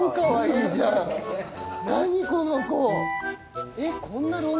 何この子！